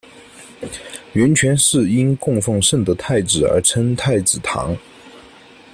圆泉寺因供奉圣德太子而称太子堂。